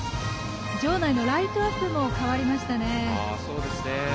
場内のライトアップも変わりましたね。